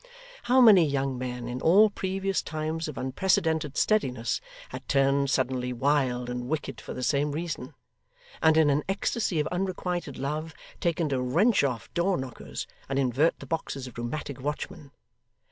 How many young men, in all previous times of unprecedented steadiness, had turned suddenly wild and wicked for the same reason, and, in an ecstasy of unrequited love, taken to wrench off door knockers, and invert the boxes of rheumatic watchmen!